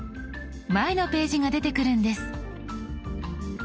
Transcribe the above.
前のページが出てくるんです。